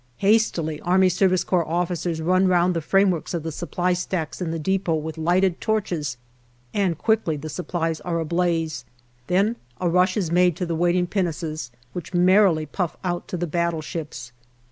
Hastily A.S.C. officers run round the frameworks of the Supply stacks in the depot with lighted torches, and quickly the supplies are ablaze. Then a rush is made to the waiting pinnaces, which merrily puff out to the battleships.